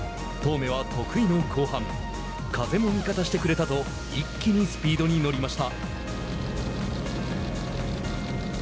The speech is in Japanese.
當銘は得意の後半風も味方してくれたと一気にスピードに乗りました。